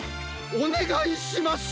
おねがいします！